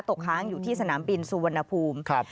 ค้างอยู่ที่สนามบินสุวรรณภูมิ